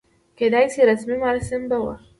کېدای شي رسمي مراسم به و.